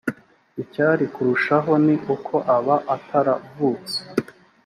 icyari kurushaho ni uko aba ataravutse